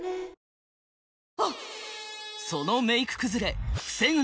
そのメイク崩れ防ぐ！